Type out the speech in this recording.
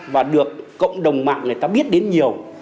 và được cộng đồng mạng người ta biết đến nhiều